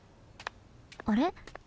あれ？